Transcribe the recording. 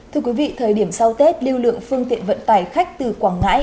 thưa quý vị thời điểm sau tết lưu lượng phương tiện vận tải khách từ quảng ngãi